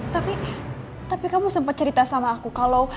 tapi tapi kamu sempat cerita sama aku